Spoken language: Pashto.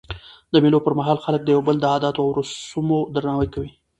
د مېلو پر مهال خلک د یو بل د عادتو او رسمو درناوی کوي.